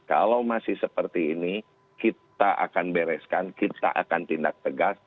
kalau masih seperti ini kita akan bereskan kita akan tindak tegas